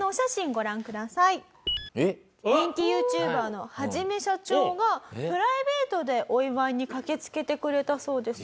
人気ＹｏｕＴｕｂｅｒのはじめしゃちょーがプライベートでお祝いに駆け付けてくれたそうです。